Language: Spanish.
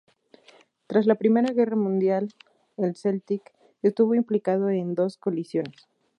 Tras la Primera Guerra Mundial, el "Celtic" estuvo implicado en dos colisiones.